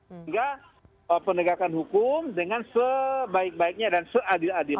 sehingga penegakan hukum dengan sebaik baiknya dan seadil adil